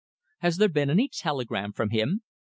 "Has there been any telegram from him?